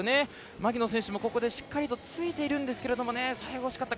牧野選手も、しっかりついてるんですけど最後、惜しかった。